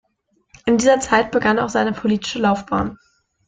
In dieser Zeit begann auch seine politische Laufbahn.